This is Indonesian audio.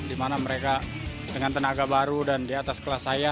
di mana mereka dengan tenaga baru dan di atas kelas saya